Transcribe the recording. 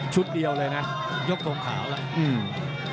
ชุดเดียวเลยนะยกตรงขาวแล้ว